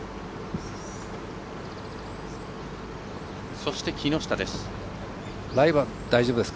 そして木下です。